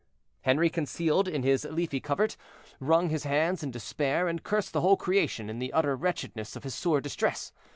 Henri, concealed in his leafy covert, wrung his hands in despair, and cursed the whole creation in the utter wretchedness of his sore distress.